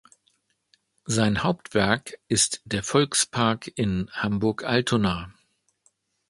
Sein Hauptwerk ist der Volkspark in Hamburg-Altona.